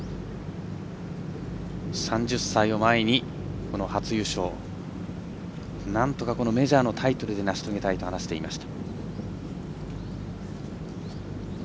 ３０歳を前に、初優勝をなんとかメジャーのタイトルで成し遂げたいと話していました。